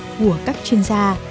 của các chuyên gia